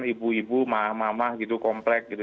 ibu ibu mamah gitu komplek gitu